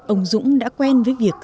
ông dũng đã quen với việc